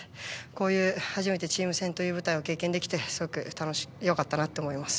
こういう、初めてチーム戦という舞台を体験できてすごく良かったなと思います。